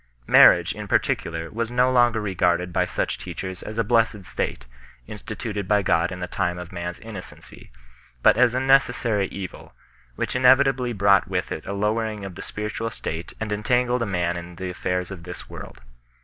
Marriage, in particular, was no longer regarded by such teachers as a blessed state, instituted by God in the time of man s innocency, but as a necessary evil, which inevitably brought with it a lowering of the spiritual state and entangled a man in the affairs of this world.